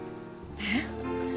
えっ？